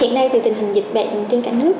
hiện nay thì tình hình dịch bệnh trên cả nước